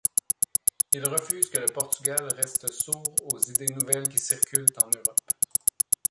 Ils refusent que le Portugal reste sourd aux idées nouvelles qui circulent en Europe.